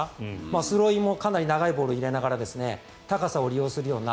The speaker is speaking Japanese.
スローインもかなり長いボールを入れながら高さを利用するような。